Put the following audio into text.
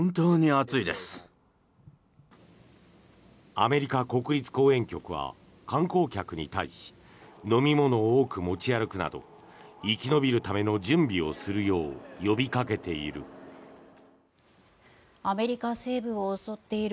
アメリカ国立公園局は観光客に対し飲み物を多く持ち歩くなど生き延びるための準備をするよう呼びかけている。